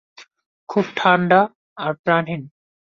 খুব ঠান্ডা আর প্রাণহীন।